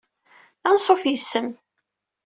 Ansuf yiss-m